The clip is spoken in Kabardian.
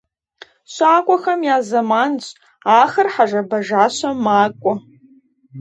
ЩакӀуэхэм я зэманщ, ахэр хьэжэбажащэ макӀуэ.